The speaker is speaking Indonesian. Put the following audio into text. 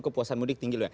kepuasan mudik tinggi loh ya